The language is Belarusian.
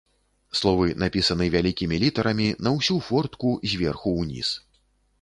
Словы напісаны вялікімі літарамі, на ўсю фортку, зверху ўніз.